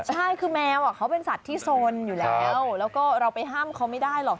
ใช่คือแมวเขาเป็นสัตว์ที่สนอยู่แล้วแล้วก็เราไปห้ามเขาไม่ได้หรอก